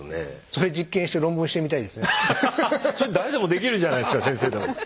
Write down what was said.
それ誰でもできるじゃないですか先生でも。